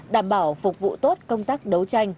đảm bảo phục vụ tốt công tác đấu tranh